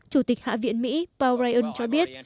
chủ tịch hạ viện mỹ paul ryan cho biết